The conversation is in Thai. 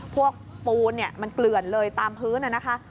ปูนมันเกลื่อนเลยตามพื้นนะคะ